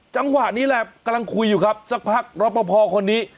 จังหวะนี้แหละกำลังคุยอยู่ครับสักพักรอปภคนนี้